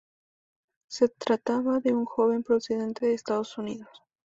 Se trataba de un joven procedente de Estados Unidos.